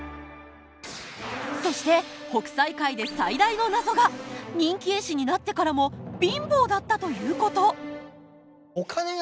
そして北斎回で最大の謎が人気絵師になってからも貧乏だったということ。